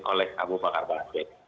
oleh abu bakar basir